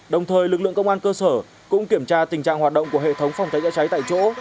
đồng thời lực lượng công an cơ sở cũng kiểm tra tình trạng hoạt động của hệ thống phòng cháy chữa cháy tại chỗ